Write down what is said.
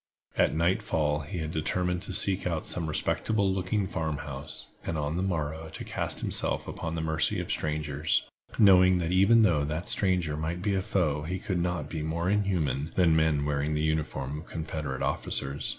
At nightfall he had determined to seek out some respectable looking farm house, and on the morrow to cast himself upon the mercy of strangers, knowing that even though that stranger might be a foe he could not be more inhuman than men wearing the uniform of Confederate officers.